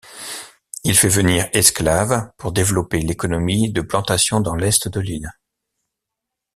Il fait venir esclaves pour développer l'économie de plantation dans l'est de l'île.